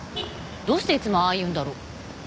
どうしていつもああ言うんだろう？